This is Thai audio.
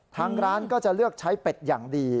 ทางร้านก็จะเลือกใช้เป็ดอย่างดี